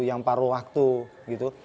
yang paru waktu gitu